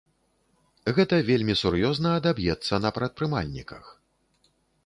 Гэта вельмі сур'ёзна адаб'ецца на прадпрымальніках.